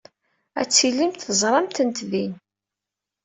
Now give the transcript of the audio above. Ad tilimt teẓram-tent din.